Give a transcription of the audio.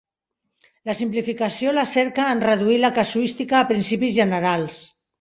La simplificació la cerca en reduir la casuística a principis generals.